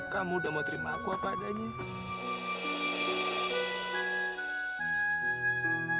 kamu udah mau terima aku apa adanya